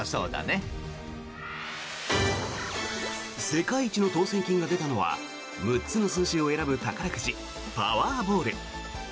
世界一の当選金が出たのは６つの数字を選ぶ宝くじパワーボール。